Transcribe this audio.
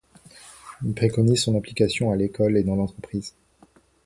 Il préconise son application à l'école et dans l'entreprise.